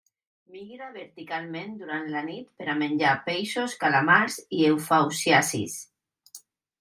Migra verticalment durant la nit per a menjar peixos, calamars i eufausiacis.